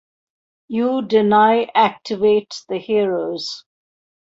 You deny activate the heroes.